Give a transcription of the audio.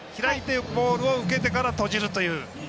ボールを受けてから閉じるという。